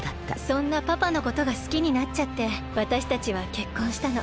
そんなパパのことがすきになっちゃってわたしたちはけっこんしたの。